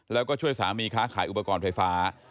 แล้วก็ช่วยสามีค้าขายอุปกรณ์ไฟฟ้า